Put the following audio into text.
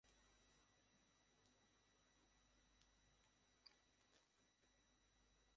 আমি এখানে আছি বাইনচোদ।